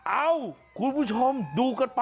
เอ้าคุณผู้ชมดูกันไป